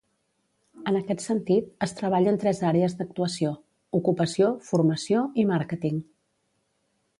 En aquest sentit, es treballa en tres àrees d'actuació: ocupació, formació, i màrqueting.